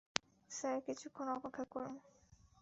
Sir, কিছুক্ষণ অপেক্ষা করুন।